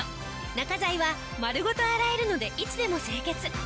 中材は丸ごと洗えるのでいつでも清潔。